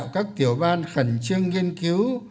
các tiểu ban khẩn trương nghiên cứu